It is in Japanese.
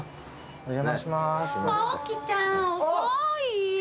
お邪魔します。